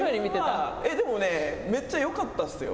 でもね、めっちゃよかったっすよ。